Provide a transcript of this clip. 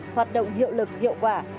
hoạt động hiệu lực hiệu quả